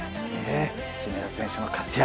姫野選手の活躍